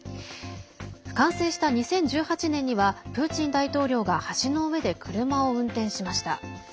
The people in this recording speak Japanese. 完成した２０１８年にはプーチン大統領が橋の上で車を運転しました。